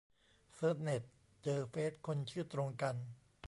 เสิร์ชเน็ต เจอเฟซคนชื่อตรงกัน